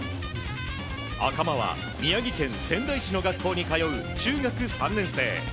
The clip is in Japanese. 赤間は宮城県仙台市の学校に通う中学３年生。